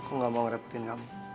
aku gak mau ngerepetin kamu